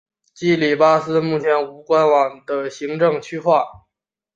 基里巴斯目前无官方的行政区划。